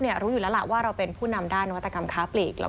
อีก๒อยู่ในพื้นศาลอีก๑ในพื้นศาล